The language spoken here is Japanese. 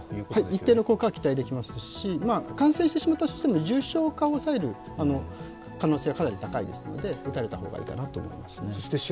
一定の効果は期待できますし、感染してしまったとしても重症化を抑える可能性はかなり高いですので、打たれた方がいいかなと思いますね。